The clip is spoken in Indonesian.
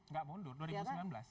nggak mundur dua ribu sembilan belas